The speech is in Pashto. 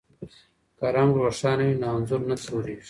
که رنګ روښانه وي نو انځور نه توریږي.